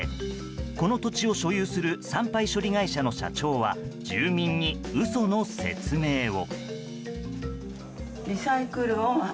この土地を所有する産廃処理会社の社長は住民に嘘の説明を。